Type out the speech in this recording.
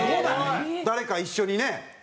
誰か一緒にね。